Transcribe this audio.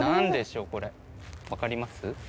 わかります？